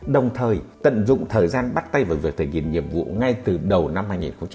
đồng thời tận dụng thời gian bắt tay vào việc thể hiện nhiệm vụ ngay từ đầu năm hai nghìn hai mươi